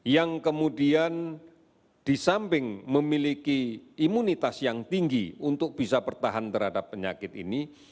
yang kemudian di samping memiliki imunitas yang tinggi untuk bisa bertahan terhadap penyakit ini